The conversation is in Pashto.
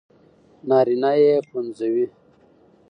نارينه يې پنځوي